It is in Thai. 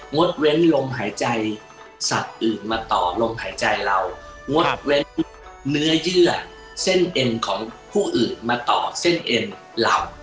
ดเว้นลมหายใจสัตว์อื่นมาต่อลมหายใจเรางดเว้นเนื้อเยื่อเส้นเอ็นของผู้อื่นมาต่อเส้นเอ็นเรา